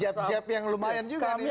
jep jep yang lumayan juga nih